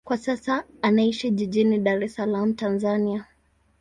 Kwa sasa anaishi jijini Dar es Salaam, Tanzania.